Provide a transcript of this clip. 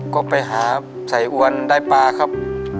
ก็ไปหาใส่อ้วนได้ปลาครับ